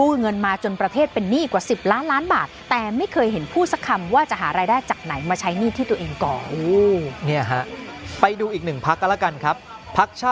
อย่างคุณกรจะติดกับวันนี้นะฮะ